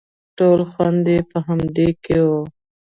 ټول خوند يې په همدې کښې و.